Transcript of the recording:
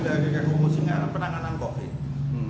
kemudian komisi penanganan covid